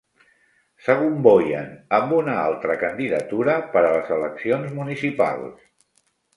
S'agomboien amb una altra candidatura per a les eleccions municipals.